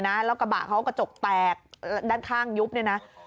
แล้วกระบะเขากระจกแตกด้านข้างยุบเนี่ยนะ